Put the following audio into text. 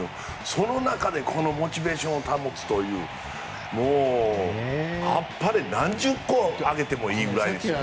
その中でこのモチベーションを保つというあっぱれ何十個あげてもいいぐらいですよ。